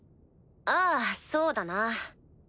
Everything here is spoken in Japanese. ああそうだな。